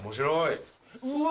うわ！